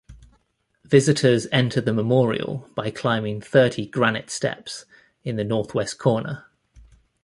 Visitors enter the memorial by climbing thirty granite steps in the northwest corner.